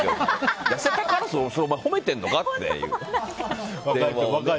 それ褒めてるのかって。